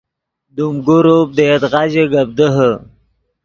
دیم گروپ دے یدغا ژے گپ دیہے